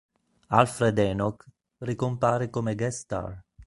Alfred Enoch ricompare come guest star.